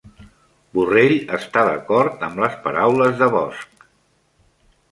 Borrell està d'acord amb les paraules de Bosch